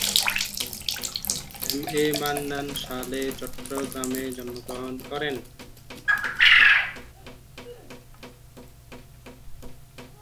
M A Mannan সালে চট্টগ্রামে জন্মগ্রহণ করেন।